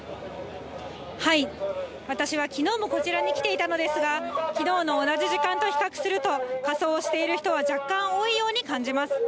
私はきのうもこちらに来ていたのですが、きのうの同じ時間と比較すると、仮装している人は若干多いように感じます。